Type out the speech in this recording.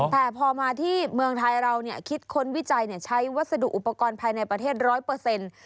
แต่พอมาที่เมืองไทยเราเนี่ยคิดค้นวิจัยใช้วัสดุอุปกรณ์ภายในประเทศร้อยเปอร์เซ็นต์